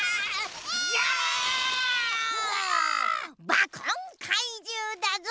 バコンかいじゅうだぞ！